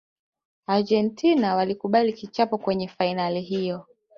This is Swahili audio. argentina walikubali kichapo kwenye fainali hiyo